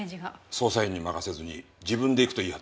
捜査員に任せずに自分で行くと言い張ったらしい。